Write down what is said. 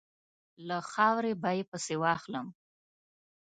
له خاورې به یې پسي واخلم.